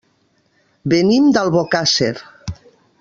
Venim d'Albocàsser.